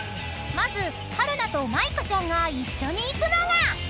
［まず春菜と舞香ちゃんが一緒に行くのが］